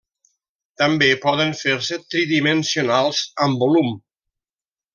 També poden fer-se tridimensionals, amb volum.